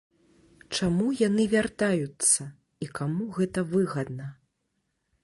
Чаму яны вяртаюцца і каму гэта выгадна?